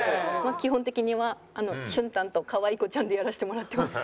基本的には「しゅんたん」と「かわい子ちゃん」でやらせてもらってます。